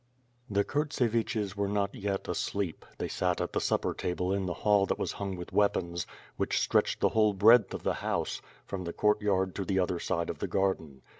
The Kurtseviches were not yet asleep; they sat at the supper table in the hall that was hung with weapons, which ritretched the whole breadth of the house, from the court yard to the other side of the garden.